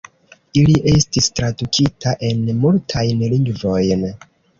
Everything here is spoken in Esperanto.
Ili estis tradukita en multajn lingvojn.